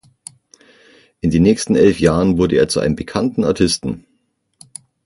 In den nächsten elf Jahren wurde er zu einem bekannten Artisten.